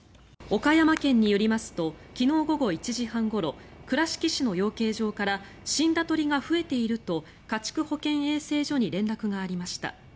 岡山県によりますと昨日午後１時半ごろ倉敷市の養鶏場から死んだ鶏が増えていると家畜保健衛生所に連絡がありました。